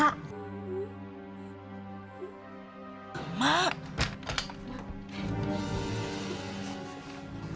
aderah anak gue